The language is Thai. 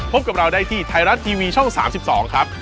พบกับเราได้ที่ไทยรัฐทีวีช่อง๓๒ครับ